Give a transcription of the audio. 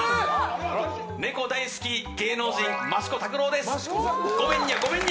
猫大好き芸能人、益子卓郎です！